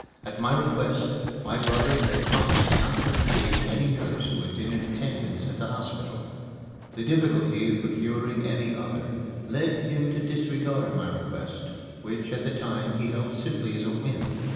At my request my brother had promised not to engage any nurse who had been in attendance at the hospital. The difficulty of procuring any other led him to disregard my request, which at the time he held simply as a whim.